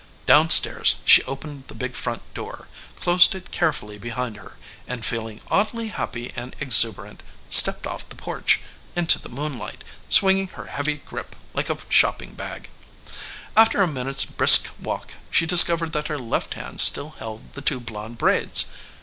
Down stairs she opened the big front door, closed it carefully behind her, and feeling oddly happy and exuberant stepped off the porch into the moonlight, swinging her heavy grip like a shopping bag. After a minute's brisk walk she discovered that her left hand still held the two blond braids.